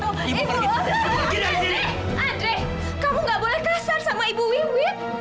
ndre kamu gak boleh kasar sama ibu wiwit